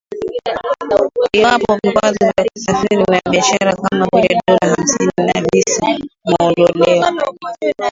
iwapo vikwazo vya kusafiri na biashara kama vile dola hamsini ya visa vimeondolewa